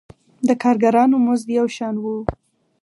د کارګرانو مزد یو شان و.